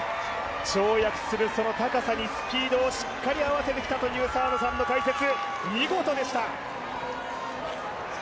跳躍する高さに、スピードをしっかり合わせて来たという澤野さんの解説、見事でした。